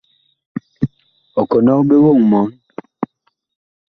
Ɔ kɔnɔg ɓe woŋ mɔɔn.